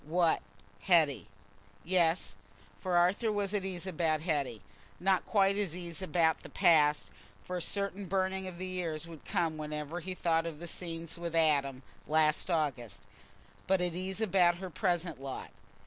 What—Hetty? Yes; for Arthur was at ease about Hetty—not quite at ease about the past, for a certain burning of the ears would come whenever he thought of the scenes with Adam last August, but at ease about her present lot.